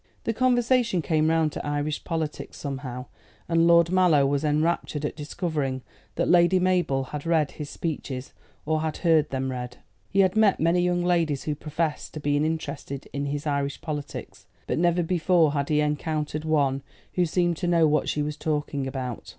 The conversation came round to Irish politics somehow, and Lord Mallow was enraptured at discovering that Lady Mabel had read his speeches, or had heard them read. He had met many young ladies who professed to be interested in his Irish politics; but never before had he encountered one who seemed to know what she was talking about.